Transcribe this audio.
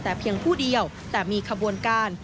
แต่เพียงผู้เดียวแต่มีขบวนการ